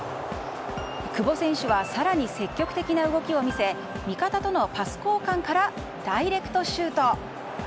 久保選手は更に積極的な動きを見せ味方とのパス交換からダイレクトシュート。